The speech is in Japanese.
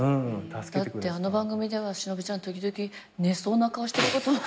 だってあの番組ではしのぶちゃん時々寝そうな顔してることも。